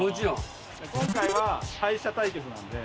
今回は敗者対決なんで。